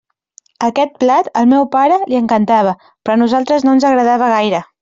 Aquest plat, al meu pare, li encantava, però a nosaltres no ens agradava gaire.